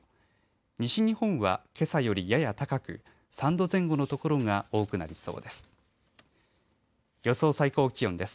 西日本は、けさよりやや高く３度前後の所が多くなりそうです。